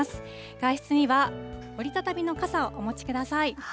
外出には折り畳みの傘をお持ちください。